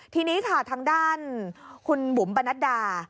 ทีนี้ค่ะทางด้านคุณบุ๋มปนัดดา